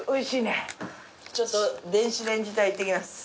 ちょっと電子レンジ隊行ってきます。